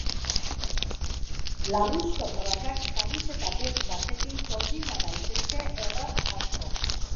Larruzko prakak kamiseta beltz batekin konbina daitezke erraz asko.